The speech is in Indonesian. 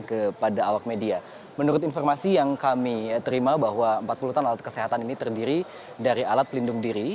kepada awak media menurut informasi yang kami terima bahwa empat puluh ton alat kesehatan ini terdiri dari alat pelindung diri